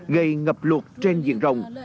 gây ngập luộc trên diện rồng